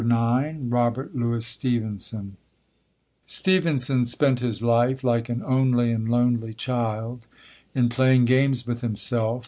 IX ROBERT LOUIS STEVENSON Stevenson spent his life, like an only and lonely child, in playing games with himself.